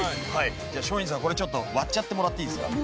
じゃあ松陰寺さんこれちょっと割っちゃってもらっていいですか。